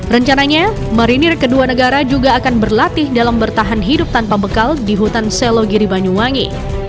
rencananya marinir kedua negara juga akan berlatih dalam bertahan hidup tanpa bekal di hutan selogiri banyuwangi